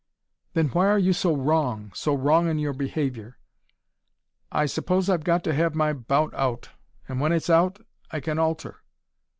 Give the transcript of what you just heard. "Then why are you so WRONG, so wrong in your behaviour?" "I suppose I've got to have my bout out: and when it's out, I can alter."